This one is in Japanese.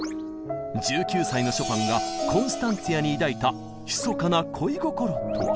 １９歳のショパンがコンスタンツィアに抱いたひそかな恋心とは？